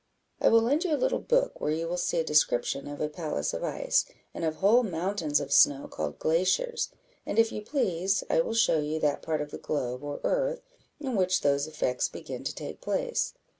I will lend you a little book, where you will see a description of a palace of ice, and of whole mountains of snow, called Glaciers; and, if you please, I will show you that part of the globe, or earth, in which those effects begin to take place.